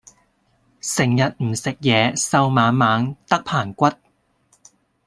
成日唔食嘢瘦蜢蜢得棚骨